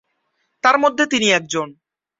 তার মধ্যে তিনি একজন।